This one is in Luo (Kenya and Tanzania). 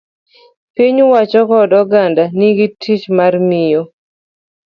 Piny owacho kod oganda nigi tich mar miyo